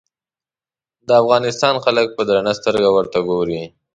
د افغانستان خلک په درنه سترګه ورته ګوري.